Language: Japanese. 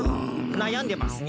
なやんでますね。